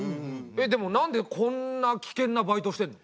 でもなんでこんな危険なバイトしてんの？